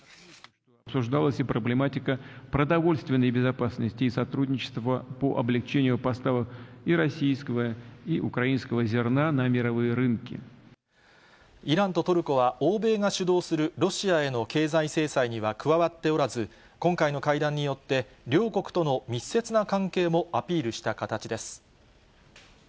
イランとトルコは、欧米が主導するロシアへの経済制裁には加わっておらず、今回の会談によって、両国との密接な関係もアピールした形です。